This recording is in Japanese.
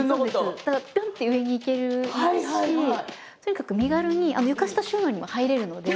だからピョンって上に行けるしとにかく身軽に床下収納にも入れるので。